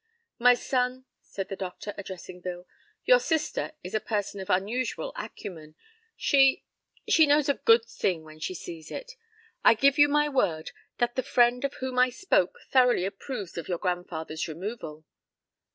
"My son," said the doctor, addressing Bill, "your sister is a person of unusual acumen. She she knows a good thing when she sees it. I give you my word that the friend of whom I spoke thoroughly approves of your grandfather's removal."